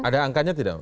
ada angkanya tidak